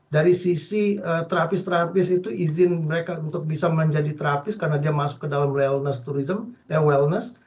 dari sisi terapis terapis itu izin mereka untuk bisa menjadi terapis karena dia masuk ke dalam wellness tourism yang wellness